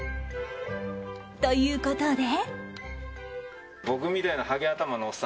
ということで。